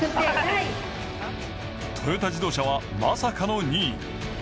トヨタ自動車はまさかの２位。